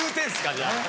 じゃあ。